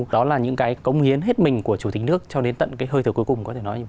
đó là những công hiến hết mình của chủ tịch nước cho đến tận hơi thử cuối cùng